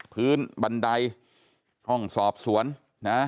บันไดห้องสอบสวนนะ